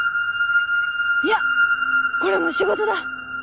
いやこれも仕事だ！